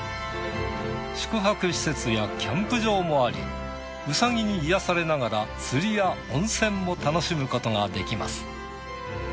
宿泊施設やキャンプ場もありウサギに癒やされながら釣りや温泉も楽しむことができます。